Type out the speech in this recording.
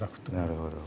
なるほど。